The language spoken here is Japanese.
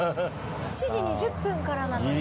７時２０分からなのに。